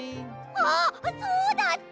あっそうだった！